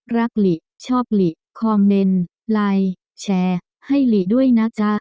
หลีชอบหลีคอมเมนต์ไลน์แชร์ให้หลีด้วยนะจ๊ะ